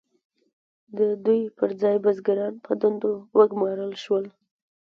د دوی پر ځای بزګران په دندو وګمارل شول.